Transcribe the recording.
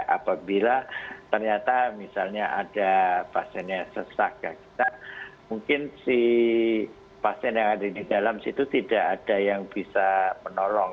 apabila ternyata misalnya ada pasiennya sesak mungkin si pasien yang ada di dalam situ tidak ada yang bisa menolong